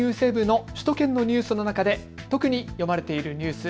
ＮＨＫＮＥＷＳＷＥＢの首都圏のニュースの中で特に読まれているニュース